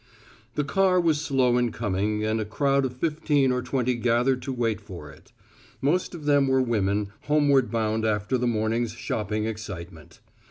The car was slow in coming and a crowd of fifteen or twenty gathered to wait for it. Most of them were women homeward bound after the morning's shopping excitement.